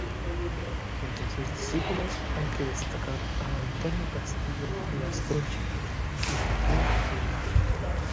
Entre sus discípulos hay que destacar a Antonio Castillo Lastrucci y Joaquín Bilbao.